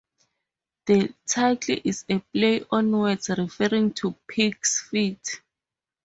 The title is a play on words, referring to pigs feet.